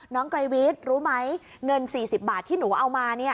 ไกรวิทย์รู้ไหมเงิน๔๐บาทที่หนูเอามา